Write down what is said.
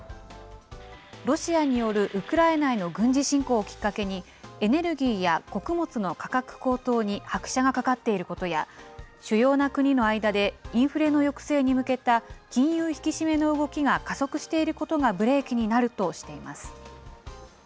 ロシアによるウクライナへの軍事侵攻をきっかけに、エネルギーや穀物の価格高騰に拍車がかかっていることや、主要な国の間でインフレの抑制に向けた金融引き締めの動きが加速していることがブレーキになるとしています。